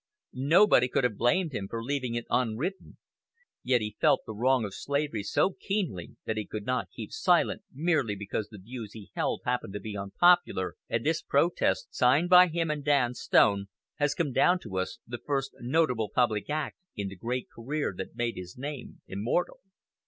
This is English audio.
Nobody could have blamed him for leaving it unwritten; yet he felt the wrong of slavery so keenly that he could not keep silent merely because the views he held happened to be unpopular; and this protest, signed by him and Dan Stone, has come down to us, the first notable public act in the great career that made his name immortal.